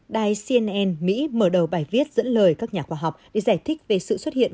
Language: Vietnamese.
đài cnn mỹ mở đầu bài viết dẫn lời các nhà khoa học để giải thích về sự xuất hiện